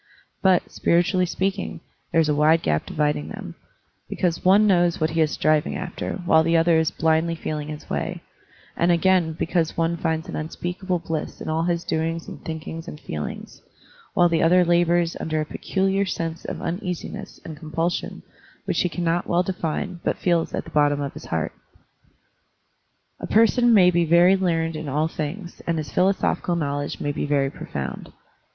But, spiritually speaking, there is a wide gap dividing them, because one knows what he is striving after while the other is blindly feeling his way, and again because one finds an unspeakable bliss in all his doings and thinkings and feelings, while the other labors under a peculiar sensation of uneasiness and compulsion which he cannot well define but feels at the bottom of his heart. A person may be very learned in all things, and his philosophical knowledge may be very profound.